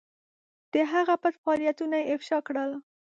د هغه پټ فعالیتونه یې افشا کړل.